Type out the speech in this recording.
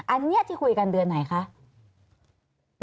อันนี้ที่คุยกันเดือนไหนคะ